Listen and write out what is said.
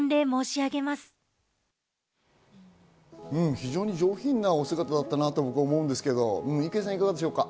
非常に上品なお姿だったなと思うんですけど、郁恵さん、いかがでしょうか？